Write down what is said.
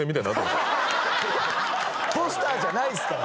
ポスターじゃないですから。